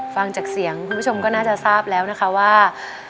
ฟังจากเสียงคุณผู้ชมก็น่าจะทราบแล้วนะคะว่า